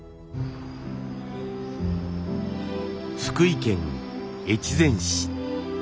福井県越前市。